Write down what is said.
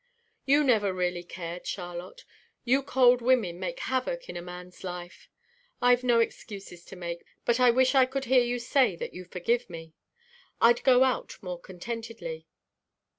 "You never really cared, Charlotte. You cold women make havoc in a man's life. I've no excuses to make, but I wish I could hear you say that you forgive me. I'd go out more contentedly."